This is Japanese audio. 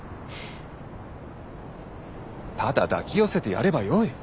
ただ抱き寄せてやればよい。